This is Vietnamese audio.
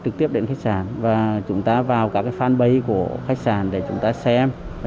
trực tiếp đến khách sạn và chúng ta vào các fanpage của khách sạn để chúng ta xem